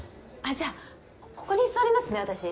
じゃあここに座りますね私。